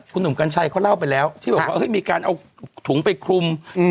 คุณหนุ่มกัญชัยเขาเล่าไปแล้วที่บอกว่ามีการเอาถุงไปคลุม